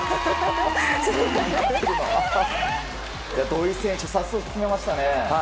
土井選手、早速決めましたね。